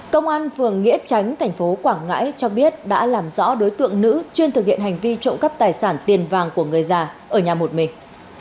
công an phường nghĩa chánh tp quảng ngãi cho biết đã làm rõ đối tượng nữ chuyên thực hiện hành vi trộm cắp tài sản tiền vàng của người già ở nhà một mình